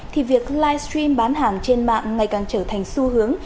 thì việc livestream bán hàng trên mạng ngày càng trở thành xu hướng